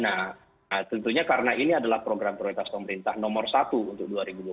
nah tentunya karena ini adalah program prioritas pemerintah nomor satu untuk dua ribu dua puluh